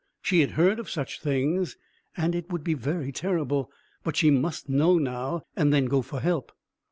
She had heard of such things, and it would be very terrible, but she must know now, and then go for help.